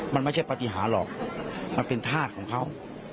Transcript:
มันไม่ใช่ปฏิหารหรอกมันเป็นธาตุของเขา